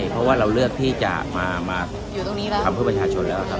เพราะว่าเราเลือกที่จะมาทำเพื่อประชาชนแล้วครับ